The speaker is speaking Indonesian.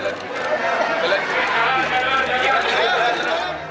jalan jalan jalan